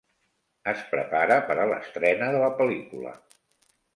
Es prepara per a l'estrena de la pel·lícula.